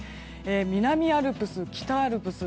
南アルプス、北アルプス